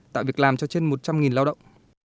tạo việc làm cho trên một trăm linh lao động